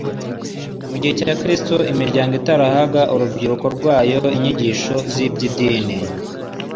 Mu gihe cya Kristo, imiryango itarahaga urubyiruko rwayo inyigisho z'iby'idini